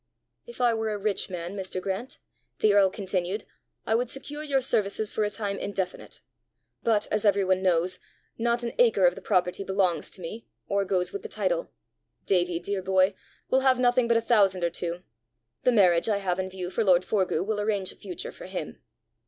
"If I were a rich man, Mr. Grant," the earl continued, "I would secure your services for a time indefinite; but, as every one knows, not an acre of the property belongs to me, or goes with the title. Davie, dear boy, will have nothing but a thousand or two. The marriage I have in view for lord Forgue will arrange a future for him."